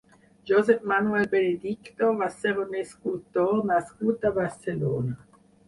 Josep Manuel Benedicto va ser un escultor nascut a Barcelona.